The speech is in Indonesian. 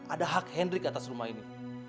ada hak hendrik atas rumah ini